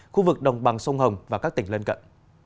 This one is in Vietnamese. khu vực đồng bằng sông hồng và các tỉnh lân cận